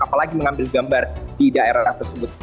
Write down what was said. apalagi mengambil gambar di daerah tersebut